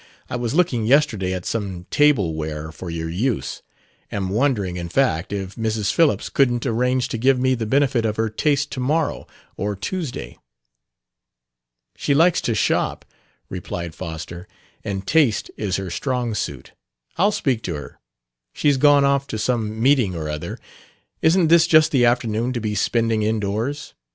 I was looking yesterday at some table ware for your use; am wondering, in fact, if Mrs. Phillips couldn't arrange to give me the benefit of her taste to morrow or Tuesday...." "She likes to shop," replied Foster, "and taste is her strong suit. I'll speak to her, she's gone off to some meeting or other. Isn't this just the afternoon to be spending indoors?"